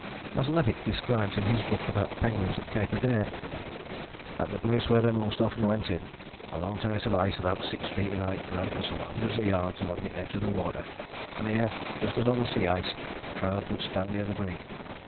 As Levick describes in his book about the penguins at Cape Adare: "At the place where they most often went in, a long terrace of ice about six feet in height ran for some hundreds of yards along the edge of the water, and here, just as on the sea ice, crowds would stand near the brink.